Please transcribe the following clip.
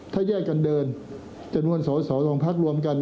ถ้าแยกกันเดินจนวนส่อของภักดิ์รวมกัน